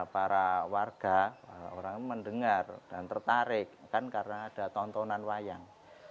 para warga orang mendengar dan tertarik kan karena ada tontonan wayang